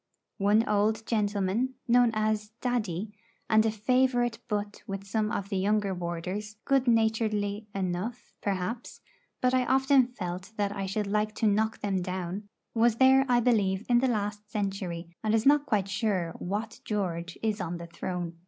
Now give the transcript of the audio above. One old gentleman, known as 'Daddy,' and a favourite butt with some of the younger warders good naturedly enough, perhaps; but I often felt that I should like to knock them down was there, I believe, in the last century, and is not quite sure what George is on the throne.